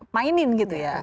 mainin gitu ya